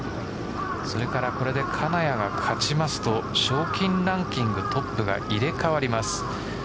それからこれで金谷が勝ちますと賞金ランキングトップが入れ替わります。